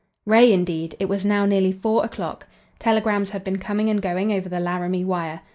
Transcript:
Ray indeed! It was now nearly four o'clock. Telegrams had been coming and going over the Laramie wire.